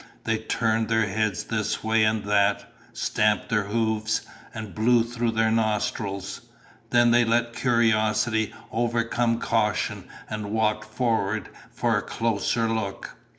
They turned their heads this way and that, stamped their hoofs, and blew through their nostrils. Then they let curiosity overcome caution and walked forward for a closer look.